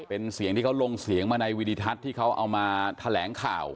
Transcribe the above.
เป็นเสียงที่เขาลงเสียงมาในวิดิทัศน์ที่เขาเอามาแถลงข่าว